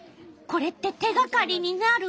これって手がかりになる？